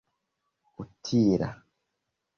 utila